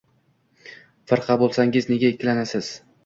— Firqa bo‘lsangiz, nega ikkilanasiz?